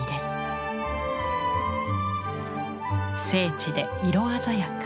精緻で色鮮やか。